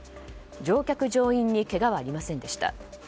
乗客・乗員にけがはありませんでした。